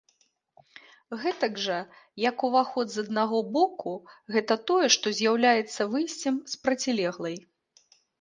Гэтак жа як уваход з аднаго боку гэта тое, што з'яўляецца выйсцем з процілеглай.